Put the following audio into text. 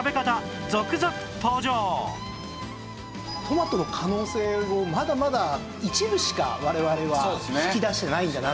トマトの可能性をまだまだ一部しか我々は引き出してないんだなと。